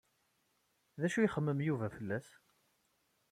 D acu ay ixemmem Yuba fell-as?